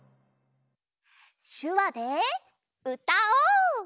しゅわでうたおう！